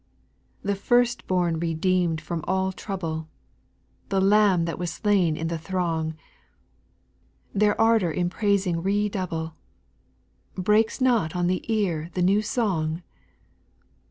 The first bom redeemed from all trouble, (The Lamb that was slain in the throng) Their ardour in praising redouble :— Breaks not on the ear the new song